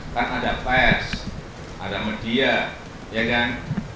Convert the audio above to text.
kan ada pers ada media ya kan